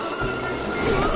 うわ！